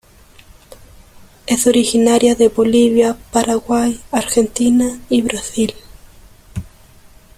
Es originaria de Bolivia, Paraguay, Argentina, y Brasil.